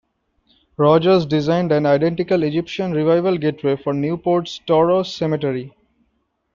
Rogers designed an identical Egyptian revival gateway for Newport's Touro Cemetery.